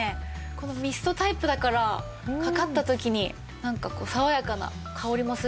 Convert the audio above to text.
このミストタイプだからかかった時に爽やかな香りもするし。